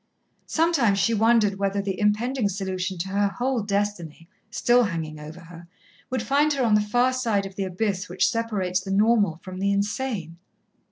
Sometimes she wondered whether the impending solution to her whole destiny, still hanging over her, would find her on the far side of the abyss which separates the normal from the insane.